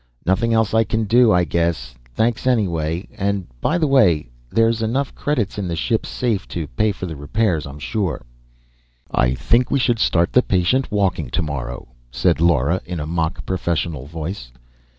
"Nothing else I can do, I guess. Thanks, anyway. And by the way, there's enough credits in the ship's safe to pay for the repairs, I'm sure." "I think we should start the patient walking tomorrow," said Lara, in a mock professional voice.